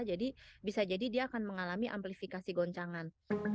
jadi bisa jadi dia akan mengalami amplifikasi goncangan